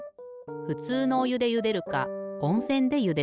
ふつうのおゆでゆでるかおんせんでゆでるか。